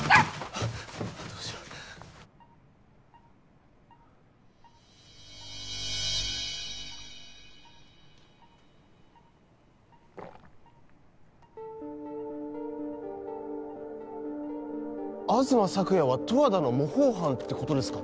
どうしよう東朔也は十和田の模倣犯ってことですか？